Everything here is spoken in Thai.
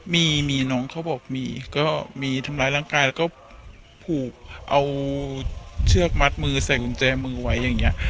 มีมีน้องเขาบอกมีก็มีทำร้ายร่างกายแล้วก็ผูกเอาเชือกมัดมือใส่กุญแจมือไว้อย่างนี้